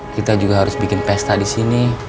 kita juga harus bikin pesta disini